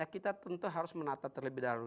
kita tentu harus menata terlebih dahulu